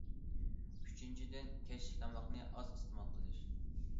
ئۈچىنچىدىن، كەچلىك تاماقنى ئاز ئىستېمال قىلىش.